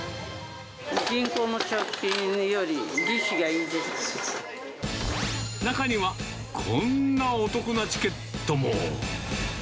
銀行の貯金より利子がいいで中にはこんなお得なチケットも。